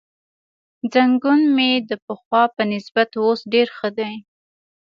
زنګون مې د پخوا په نسبت اوس ډېر ښه دی.